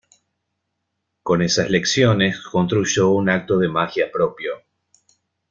Con esas lecciones construyó un acto de magia propio.